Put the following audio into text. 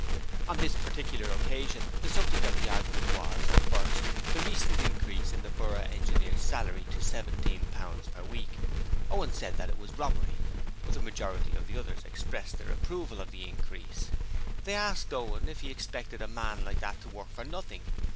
On this particular occasion the subject of the argument was at first the recent increase of the Borough Engineer's salary to seventeen pounds per week. Owen had said it was robbery, but the majority of the others expressed their approval of the increase. They asked Owen if he expected a man like that to work for nothing!